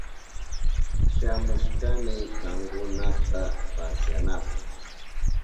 Shamushkani kankunata pasyanapa.